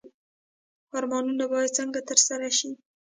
ارمانونه باید څنګه ترسره شي؟